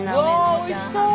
わぁおいしそう！